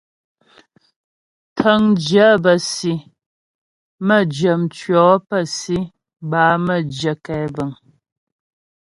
Tə̂ŋjyə bə́ si, mə́jyə mtʉɔ̌ pə́ si bâ mə́jyə kɛbəŋ.